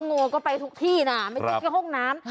งูก็ไปทุกที่นะไม่ใช่แค่ห้องน้ำ